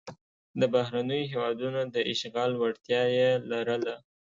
د بهرنیو هېوادونو د اشغال وړتیا یې لرله.